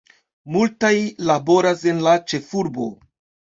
Multaj laboras en la ĉefurbo.